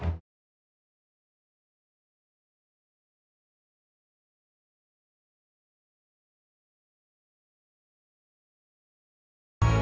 terima kasih pak